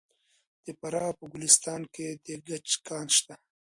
د فراه په ګلستان کې د ګچ کان شته.